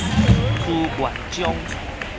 朱元璋